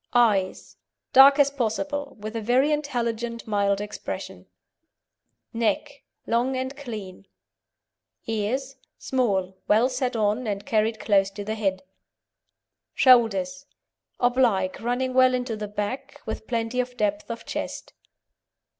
EYES Dark as possible, with a very intelligent, mild expression. NECK Long and clean. EARS Small, well set on, and carried close to the head. SHOULDERS Oblique, running well into the back, with plenty of depth of chest.